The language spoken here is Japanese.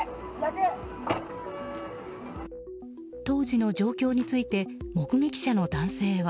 当時の状況について目撃者の男性は。